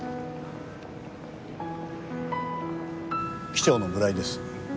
機長の村井です。